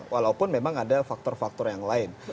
walaupun memang ada faktor faktor yang lain